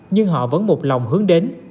nhưng họ vẫn một lòng hướng đến